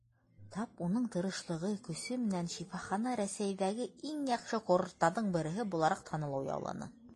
Тап уның тырышлығы, көсө менән шифахана Рәсәйҙәге иң яҡшы курорттарҙың береһе булараҡ танылыу яуланы.